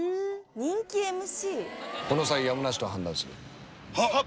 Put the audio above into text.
この際やむなしと判断するはっ